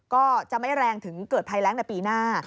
ก็จะไม่แรงถึงเกิดภัยแรงในปีหน้า